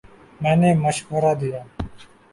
میں نے مشورہ دیا